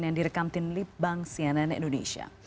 yang direkam tim lipbang cnn indonesia